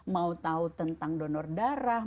mau tahu tentang donor darah